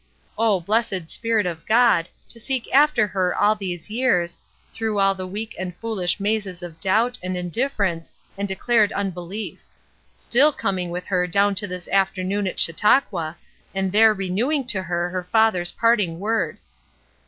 Oh, blessed Spirit of God, to seek after her all these years, through all the weak and foolish mazes of doubt, and indifference, and declared unbelief still coming with her down to this afternoon at Chautauqua, and there renewing to her her father's parting word.